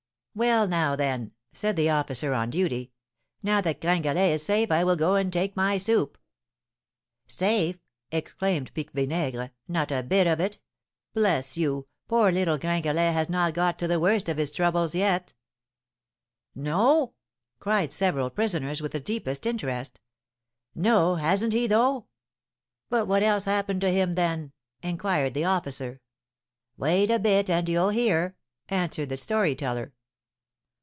"Well, now then," said the officer on duty, "now that Gringalet is safe, I will go and take my soup." "Safe!" exclaimed Pique Vinaigre, "not a bit of it! Bless you, poor little Gringalet has not got to the worst of his troubles yet." "No?" cried several prisoners, with the deepest interest. "No; hasn't he, though?" "But what else happened to him then?" inquired the officer. "Wait a bit and you'll hear," answered the story teller.